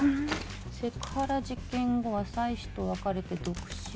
セクハラ事件後は妻子と別れて独身。